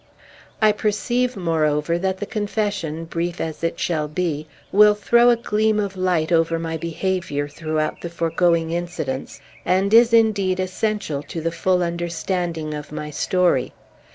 I perceive, moreover, that the confession, brief as it shall be, will throw a gleam of light over my behavior throughout the foregoing incidents, and is, indeed, essential to the full understanding of my story.